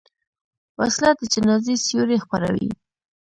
وسله د جنازې سیوري خپروي